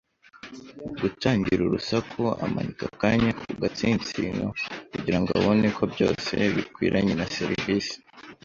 gutangira urusaku, amanika akanya ku gatsinsino kugirango abone ko byose bikwiranye na serivisi.